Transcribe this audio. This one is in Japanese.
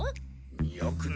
よくない。